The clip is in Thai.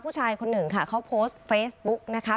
ผู้ชายคนหนึ่งค่ะเขาโพสต์เฟซบุ๊กนะคะ